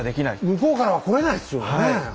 向こうからは来れないですよねえ。